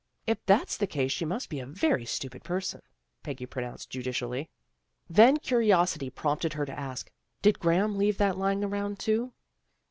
"" If that's the case she must be a very stupid person," Peggy pronounced judicially. Then curiosity prompted her to ask, " Did Graham leave that lying around too?